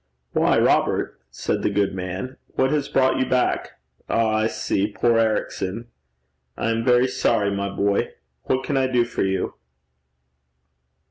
'Why, Robert,' said the good man, 'what has brought you back? Ah! I see. Poor Ericson! I am very sorry, my boy. What can I do for you?'